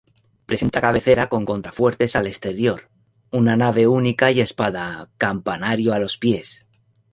Presenta cabecera con contrafuertes al exterior, una nave única y espadaña-campanario a los pies.